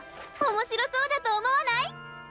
おもしろそうだと思わない？